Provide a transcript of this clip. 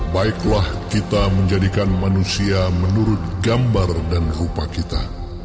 baiklah kita menjadikan manusia menurut gambar dan rupa kita